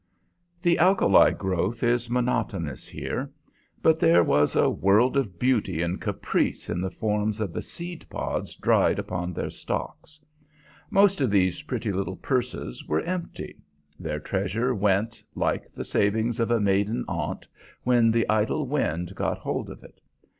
The alkali growth is monotonous here; but there was a world of beauty and caprice in the forms of the seed pods dried upon their stalks. Most of these pretty little purses were empty. Their treasure went, like the savings of a maiden aunt, when the idle wind got hold of it.